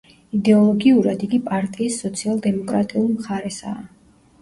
იდეოლოგიურად, იგი პარტიის სოციალ-დემოკრატიულ მხარესაა.